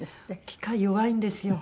機械弱いんですよ。